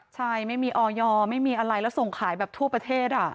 ใช่ไม่มีออยไม่มีอะไรแล้วส่งขายแบบทั่วประเทศ